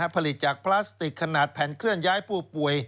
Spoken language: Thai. ผลิตจากพลาสติกขนาดแผ่นเคลื่อนย้ายผู้ป่วย